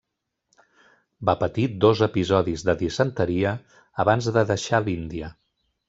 Va patir dos episodis de disenteria abans de deixar l'Índia.